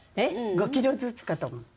５キロずつかと思った。